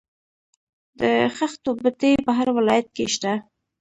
د خښتو بټۍ په هر ولایت کې شته